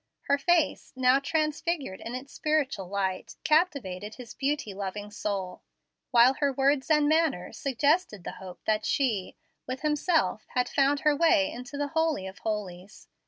Her face, now transfigured in its spiritual light, captivated his beauty loving soul; while her words and manner suggested the hope that she, with himself, had found her way into the Holy of Holies.